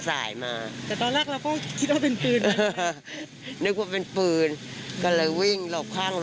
กลัวโดนลูกหลง